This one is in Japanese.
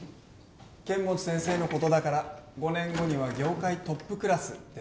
剣持先生のことだから５年後には業界トップクラスですか。